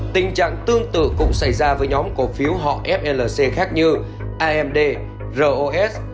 tình trạng tương tự cũng xảy ra với nhóm cổ phiếu họ flc khác như amd ros